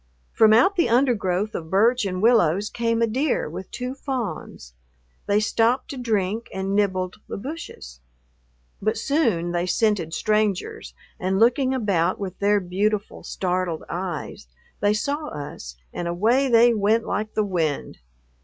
From out the undergrowth of birch and willows came a deer with two fawns. They stopped to drink, and nibbled the bushes. But soon they scented strangers, and, looking about with their beautiful, startled eyes, they saw us and away they went like the wind.